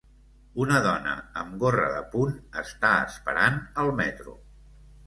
Una dona amb gorra de punt està esperant al metro.